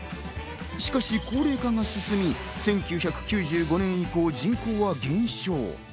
しかし高齢化が進み、１９９５年以降、人口は減少。